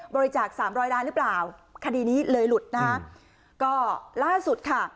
บริจาคสามร้อยล้านหรือเปล่าคดีนี้เลยหลุดนะคะก็ล่าสุดค่ะ